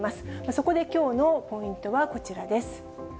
そこで、きょうのポイントはこちらです。